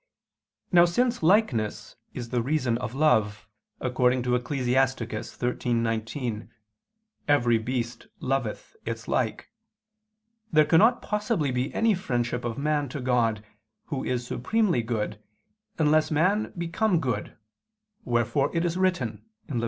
Now since likeness is the reason of love, according to Ecclus. 13:19: "Every beast loveth its like"; there cannot possibly be any friendship of man to God, Who is supremely good, unless man become good: wherefore it is written (Lev.